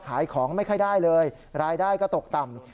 ขายของไม่ค่อยได้เลยรายได้ก็ตกต่ำ